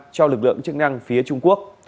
cho lực lượng chức năng phía trung quốc